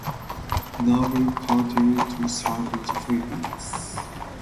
Noble continued to serve in the Philippines.